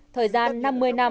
thời gian năm mươi năm